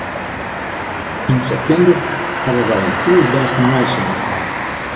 Yn septimber hawwe wy in poerbêste neisimmer hân.